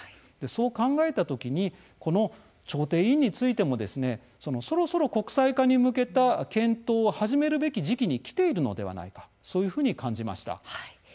そう考えた時にこの調停委員についてもそろそろ国際化に向けた検討を始めるべき時期にきているのではないかそういうふうに感じました。